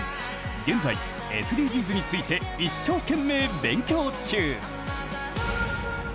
現在ＳＤＧｓについて一生懸命勉強中！